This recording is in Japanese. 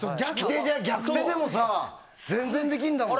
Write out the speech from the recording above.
逆手でも全然できるんだもん。